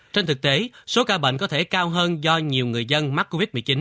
trên thực tế số ca bệnh có thể cao hơn do nhiều người dân mắc covid một mươi chín